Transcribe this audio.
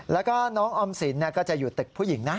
แล้วก็น้องออมสินก็จะอยู่ตึกผู้หญิงนะ